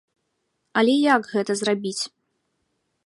Але як гэта зрабіць?